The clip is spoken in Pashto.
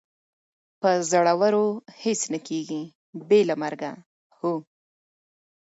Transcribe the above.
په زړورو هېڅ نه کېږي، بې له مرګه، هو.